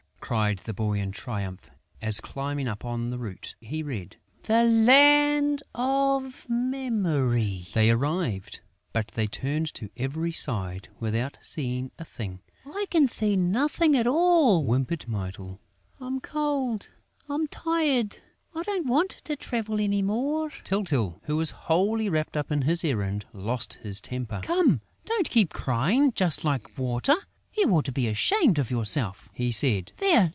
cried the boy in triumph, as, climbing up on a root, he read: "The Land of Memory." They had arrived; but they turned to every side without seeing a thing: "I can see nothing at all!" whimpered Mytyl. "I'm cold!... I'm tired!... I don't want to travel any more!" Tyltyl, who was wholly wrapped up in his errand, lost his temper: "Come, don't keep on crying just like Water!... You ought to be ashamed of yourself!" he said. "There!